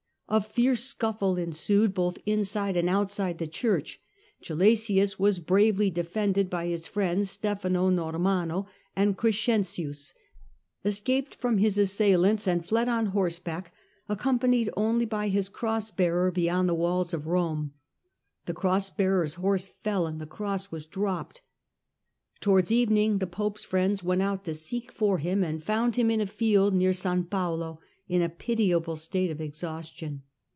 A fierce scuffle ensued both inside and outside the church. Gelasius was bravely defended by his friends Stefano Normanno and Crescentius, escaped from his assailants, and fled on horseback, accompanied only by his cross bearer, beyond the walls of Rome. The cross bearer's horse fell and the cross was dropped. Towards evening the pope's friends went out to seek for him and found him in a field near S. Paolo in a pitiable state of exhaustion.